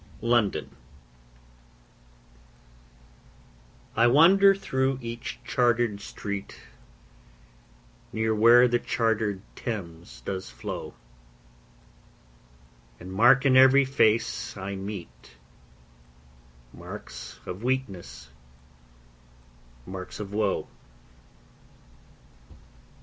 LONDON I wander through each chartered street, Near where the chartered Thames does flow, A mark in every face I meet, Marks of weakness, marks of woe.